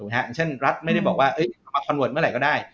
อย่างเช่นรัฐไม่ได้บอกว่ามาคอนเวิร์ตเมื่อไหร่ก็ได้